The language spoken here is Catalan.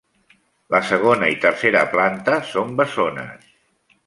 La segona i tercera planta són bessones.